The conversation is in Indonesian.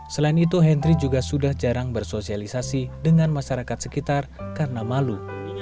selain itu henry juga sudah jarang bersosialisasi dengan masyarakat sekitar karena malu